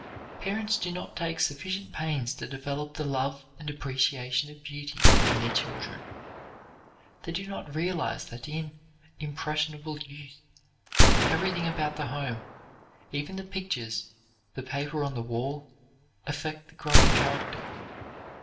Parents do not take sufficient pains to develop the love and appreciation of beauty in their children. They do not realize that in impressionable youth, everything about the home, even the pictures, the paper on the wall, affect the growing character.